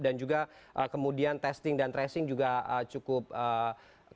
dan juga kemudian testing dan tracing juga cukup ketat gitu